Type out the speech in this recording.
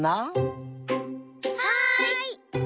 はい！